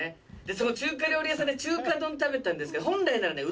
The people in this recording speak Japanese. その中華料理屋さんで中華丼食べたんですけど本来ならね